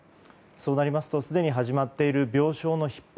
そうなるとすでに始まっている病床のひっ迫